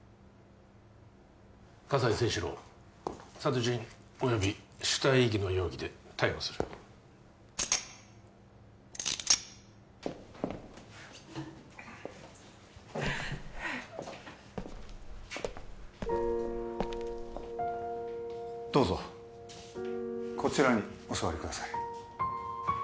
葛西征四郎殺人および死体遺棄の容疑で逮捕するどうぞこちらにお座りください